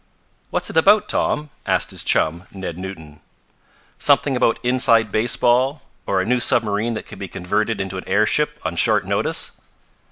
"What's it about, Tom?" asked his chum, Ned Newton. "Something about inside baseball, or a new submarine that can be converted into an airship on short notice?"